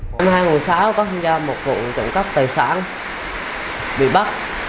năm hai nghìn một mươi sáu có thêm ra một vụ trộm cắp tài sản bị bắt